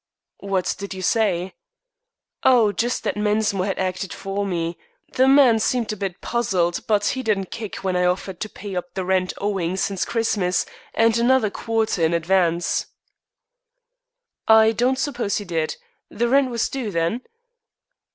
"What did you say?" "Oh, just that Mensmore had acted for me. The man seemed a bit puzzled, but he didn't kick when I offered to pay up the rent owing since Christmas, and another quarter in advance." "I don't suppose he did. The rent was due, then?"